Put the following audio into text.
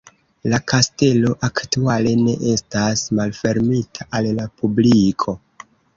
La kastelo aktuale ne estas malfermita al la publiko.